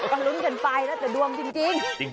ก็ลุ้นกันไปแล้วแต่ดวงจริง